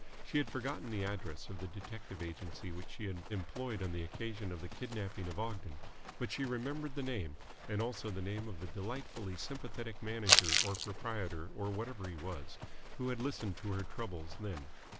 She had forgotten the address of the detective agency which she had employed on the occasion of the kidnapping of Ogden, but she remembered the name, and also the name of the delightfully sympathetic manager or proprietor or whatever he was who had listened to her troubles then.